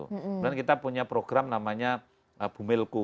kemudian kita punya program namanya bumilku